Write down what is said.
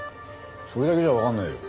それだけじゃわかんないよ。